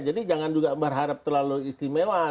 jadi jangan juga berharap terlalu istimewa